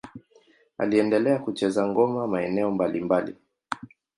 Aliendelea kucheza ngoma maeneo mbalimbali.